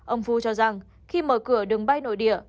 ông fu cho rằng khi mở cửa đường bay nội địa